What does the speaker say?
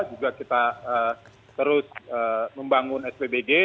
juga kita terus membangun spbd